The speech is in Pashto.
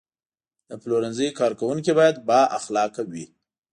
د پلورنځي کارکوونکي باید بااخلاقه وي.